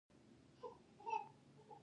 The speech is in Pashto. پښتو دې د راتلونکو نسلونو لپاره وساتل شي.